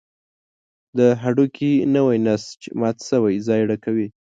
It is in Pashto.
د هډوکي نوی نسج مات شوی ځای ډکوي.